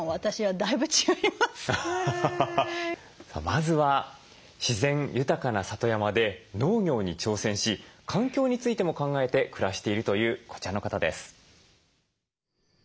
まずは自然豊かな里山で農業に挑戦し環境についても考えて暮らしているというこちらの方です。